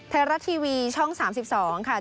ไทยรัฐทีวีช่อง๓๒ค่ะ